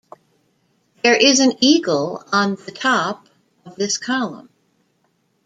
There is an eagle on the top of this column.